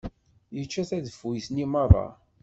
Yečča tadeffuyt-nni merra.